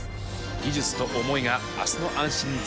技術と思いが明日の安心につながっていく。